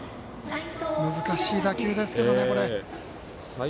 難しい打球ですけどね。